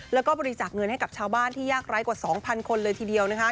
แล้วก็บริจาคเงินให้กับชาวบ้านที่ยากไร้กว่า๒๐๐คนเลยทีเดียวนะคะ